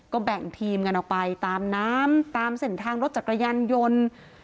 ก็แบ่งทีมกันออกไปตามน้ำตามเส้นทางรถจักรยานยนต์